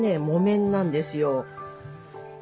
木綿なんですよ。